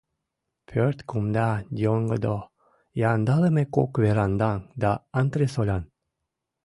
Пӧрт кумда, йоҥгыдо, яндалыме кок верандан да антресолян.